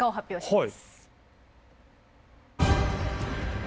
はい。